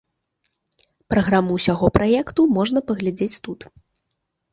Праграму ўсяго праекту можна паглядзець тут.